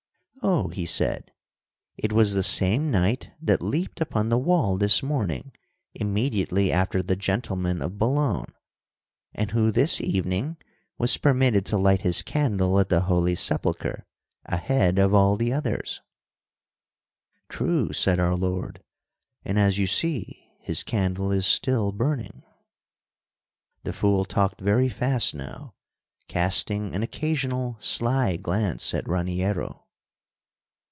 'Oh,' he said, 'it was the same knight that leaped upon the wall this morning immediately after the gentleman of Boulogne, and who this evening was permitted to light his candle at the Holy Sepulchre ahead of all the others. 'True!' said our Lord. 'And, as you see, his candle is still burning.'" The fool talked very fast now, casting an occasional sly glance at Raniero.